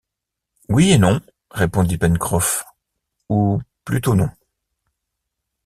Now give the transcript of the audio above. Oui et non, répondit Pencroff, ou plutôt non.